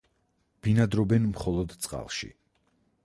ბინადრობენ მხოლოდ წყალში.